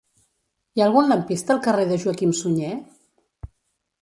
Hi ha algun lampista al carrer de Joaquim Sunyer?